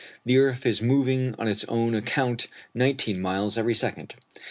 The earth is moving on its own account nineteen miles every second.